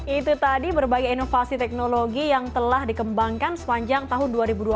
itu tadi berbagai inovasi teknologi yang telah dikembangkan sepanjang tahun dua ribu dua puluh